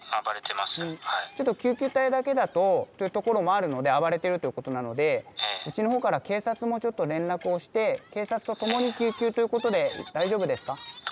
ちょっと救急隊だけだとというところもあるので暴れてるということなのでうちのほうから警察もちょっと連絡をして警察と共に救急ということで大丈夫ですか？